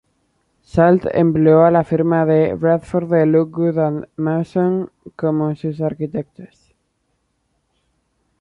Salt empleó a la firma de Bradford de Lockwood and Mawson como sus arquitectos.